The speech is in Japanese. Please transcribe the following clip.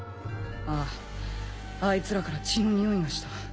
あぁあいつらから血のにおいがした。